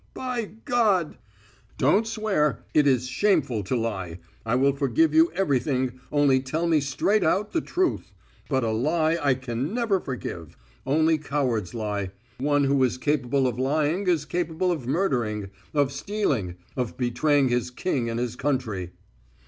"By God!!" "Don't swear. It is shameful to lie. I will forgive you everything, only tell me straight out the truth. But a lie I can never forgive. Only cowards lie. One who is capable of lying is capable of murdering, of stealing, of betraying his king and his country...."